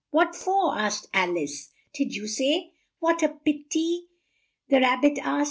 "What for?" asked Al ice. "Did you say, 'What a pit y!'?" the Rab bit asked.